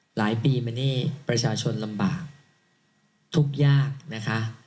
หลายปีมานี่ประชาชนลำบากทุกข์ยากนะคะ